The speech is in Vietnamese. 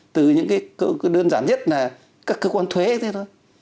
từ những cái đơn giản nhất là các cơ quan thuế thôi